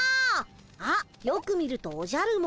あっよく見るとおじゃるも。